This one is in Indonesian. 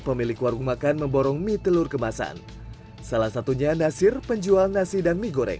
pemilik warung makan memborong mie telur kemasan salah satunya nasir penjual nasi dan mie goreng